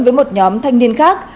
với một nhóm thanh niên khác